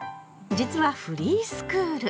実はフリースクール。